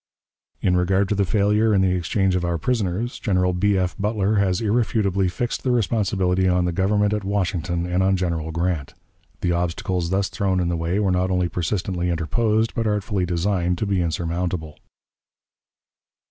In regard to the failure in the exchange of prisoners, General B. F. Butler has irrefutably fixed the responsibility on the Government at Washington and on General Grant. The obstacles thus thrown in the way were not only persistently interposed, but artfully designed to be insurmountable.